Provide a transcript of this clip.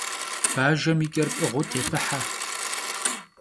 Bajjem yi ç'er p'ığıu têpıhe.